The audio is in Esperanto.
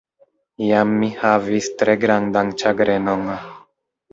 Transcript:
Iam mi havis tre grandan ĉagrenon.